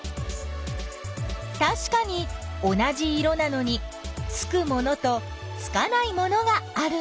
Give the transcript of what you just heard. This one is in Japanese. たしかに同じ色なのにつくものとつかないものがあるんだね。